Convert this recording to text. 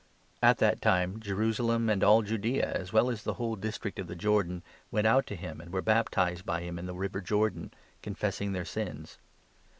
At that time Jerusalem, and all Judaea, as 5 well as the whole district of the Jordan, went out to him and 6 were baptized by him in the river Jordan, confessing their sins.